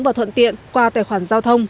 và thuận tiện qua tài khoản giao thông